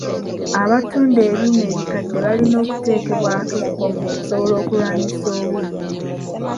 Abatunda ebyuma ebikadde balina okuteekebwako ekkomo okusobola okulwanyisa obubbi.